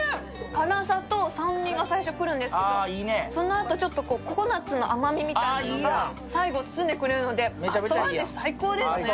辛さと酸味が最初来るんですけど、そのあとココナツの甘みが最後包んでくれるので後味最高ですね。